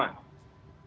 lalu gejala kedua